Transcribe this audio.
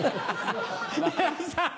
皆さん！